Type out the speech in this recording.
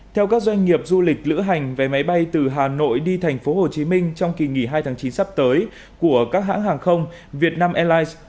theo các doanh nghiệp du lịch lữ hành vé máy bay từ hà nội đi tp hcm trong kỳ nghỉ hai tháng chín sắp tới của các hãng hàng không việt nam airlines